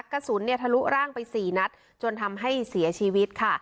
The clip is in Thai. กระสุนเนี่ยทะลุร่างไป๔นัดจนทำให้เสียชีวิตค่ะ